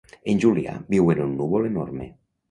En Julià viu en un núvol enorme.